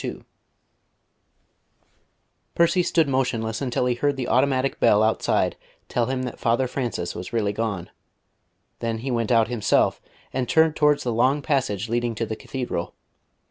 II Percy stood motionless until he heard the automatic bell outside tell him that Father Francis was really gone, then he went out himself and turned towards the long passage leading to the Cathedral.